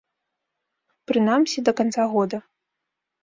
Прынамсі да канца года.